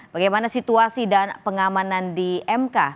bagaimana situasi dan pengamanan di mk